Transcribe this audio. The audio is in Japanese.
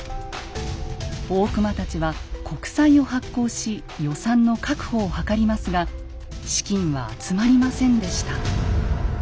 大隈たちは国債を発行し予算の確保を図りますが資金は集まりませんでした。